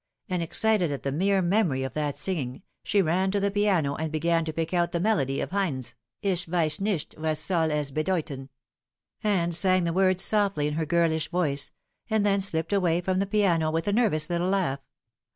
and excited at the mere memory of that singing, she ran to the piano and began to pick out the melody of Heine's " Ich weiss nicht was soil es bedeuten," and sang the worda softly in her girlish voice ; and then slipped away from tko piano with a nervous little laugh.